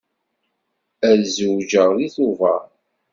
Ad zewǧeɣ deg Tubeṛ.